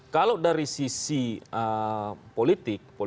kalau dari sisi politik